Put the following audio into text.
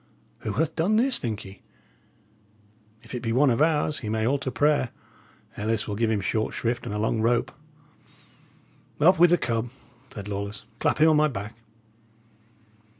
Who hath done this, think ye? If it be one of ours, he may all to prayer; Ellis will give him a short shrift and a long rope." "Up with the cub," said Lawless. "Clap him on my back."